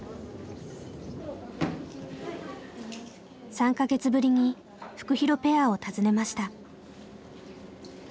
３か月ぶりにフクヒロペアを訪ねました。